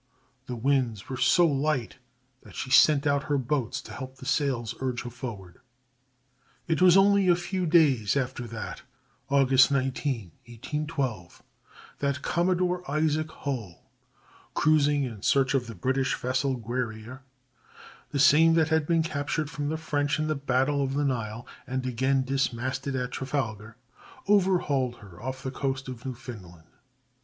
The winds were so light that she sent out her boats to help the sails urge her forward. It was only a few days after that (August 19, 1812) that Commodore Isaac Hull, cruising in search of the British vessel Guerrière (the same that had been captured from the French in the battle of the Nile, and again dismasted at Trafalgar), overhauled her off the coast of Newfoundland.